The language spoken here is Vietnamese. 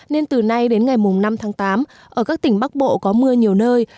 nên từ nay đến ngày năm tháng tám ở các tỉnh bắc bộ có mưa nhiều nơi